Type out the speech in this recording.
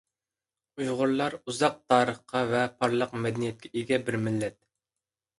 ئۇيغۇرلار — ئۇزاق تارىخقا ۋە پارلاق مەدەنىيەتكە ئىگە بىر مىللەت.